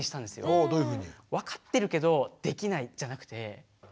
おおどういうふうに？